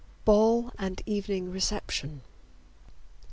Ball and Evening Reception.